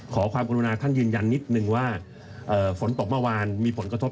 ขอความกรุณาท่านยืนยันนิดนึงว่าฝนตกเมื่อวานมีผลกระทบ